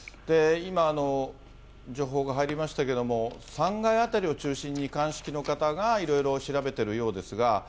今、情報が入りましたけれども、３階辺りを中心に鑑識の方がいろいろ調べてるようですが。